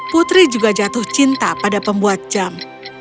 putri juga jatuh cinta pada pembuat jam